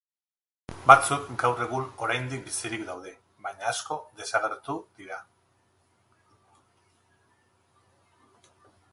Batzuk gaur egun oraindik bizirik daude baina asko desagertu dira.